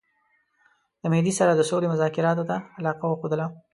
د مهدي سره د سولي مذاکراتو ته علاقه وښودله.